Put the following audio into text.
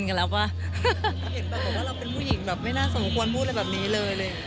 เห็นแบบว่าเราเป็นผู้หญิงแบบไม่น่าสมควรพูดอะไรแบบนี้เลย